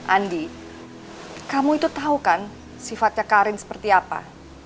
andi kamu itu tahu kan sifatnya karin seperti apa